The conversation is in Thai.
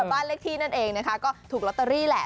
บ้านเลขที่นั่นเองนะคะก็ถูกลอตเตอรี่แหละ